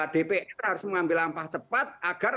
dpr harus mengambil langkah cepat agar